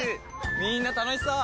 みんな楽しそう！